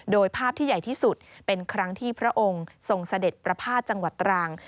โดยภาพที่ใหญ่ที่สุดเป็นครั้งที่พระองค์ทรงเสด็จประพาทจังหวัดตรัง